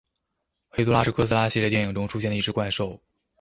黑多拉是哥斯拉系列电影中出现的一只怪兽。